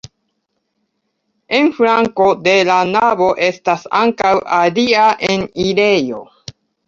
En flanko de la navo estas ankaŭ alia enirejo.